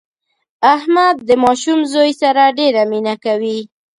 احمد د ماشوم زوی سره ډېره مینه کوي.